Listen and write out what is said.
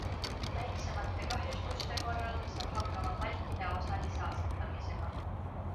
Väiksemate kahjustuste korral saab hakkama palkide osalise asendamisega.